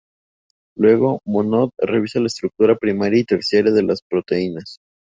Luego, Monod revisa la estructura primaria y terciaria de las proteínas.